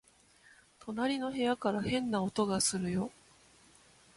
隣の部屋から変な音がするよ